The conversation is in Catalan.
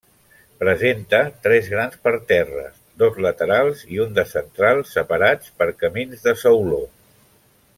Presenta tres grans parterres, dos laterals i un de central, separats per camins de sauló.